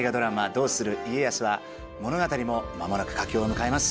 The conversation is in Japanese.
「どうする家康」は物語も間もなく佳境を迎えます。